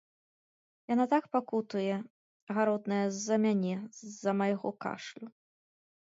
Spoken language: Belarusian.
Яна так пакутуе, гаротная, з-за мяне, з-за майго кашлю.